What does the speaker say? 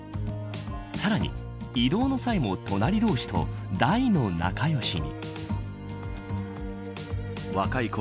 さらに、移動の際も隣同士と大の仲良しに。